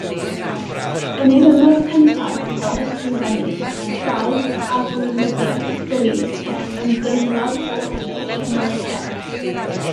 Yn ei dymor cyntaf fel ysgrifennydd daeth â gweinyddiaeth glir ac ymdeimlad o broffesiynoldeb.